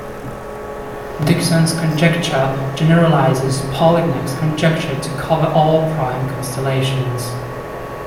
Dickson's conjecture generalizes Polignac's conjecture to cover all prime constellations.